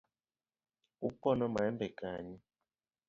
Upono maembe kanye.